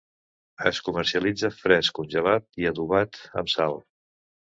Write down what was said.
Es comercialitza fresc, congelat i adobat amb sal.